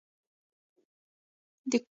د کورنۍ غړي بې اجازې نه شي ننوتلای.